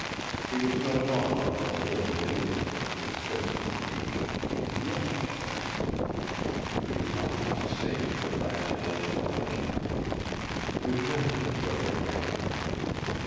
She was no longer the little Mélisse, his sister. And yet He was almost saying her last words aloud: "Good night, Brother Jan!"